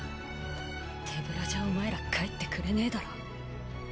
手ぶらじゃお前ら帰ってくれねぇだろ。